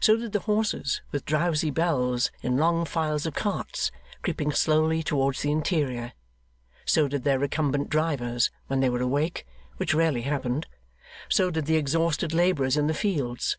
So did the horses with drowsy bells, in long files of carts, creeping slowly towards the interior; so did their recumbent drivers, when they were awake, which rarely happened; so did the exhausted labourers in the fields.